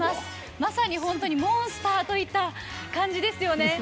まさに本当にモンスターといった感じですよね。